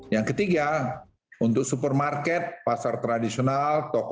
yang ketiga untuk supermarket pasar tradisional toko